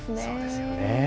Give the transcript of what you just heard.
そうですよね。